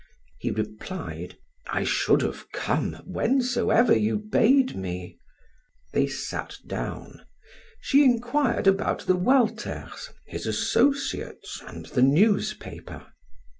He replied: "I should have come, whensoever you bade me." They sat down; she inquired about the Walters, his associates, and the newspaper.